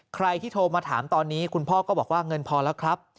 ใครที่โทรมาถามตอนนี้คุณพ่อก็บอกว่าเงินพอแล้วครับ